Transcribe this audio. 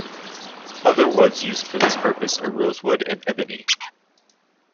Other woods used for this purpose are rosewood and ebony.